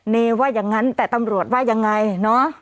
เนว่าอย่างนั้นแต่ตำรวจว่ายังไงเนอะ